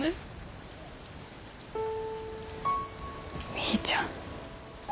みーちゃん。